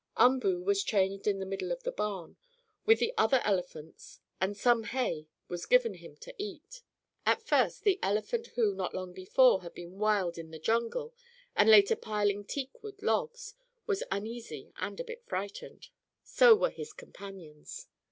Umboo was chained in the middle of the barn, with the other elephants, and some hay was given him to eat. At first the elephant, who, not long before, had been wild in the jungle, and later piling teakwood logs, was uneasy and a bit frightened. So were his companions.